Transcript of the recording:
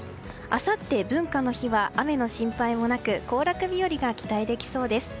あさって文化の日は雨の心配もなく行楽日和が期待できそうです。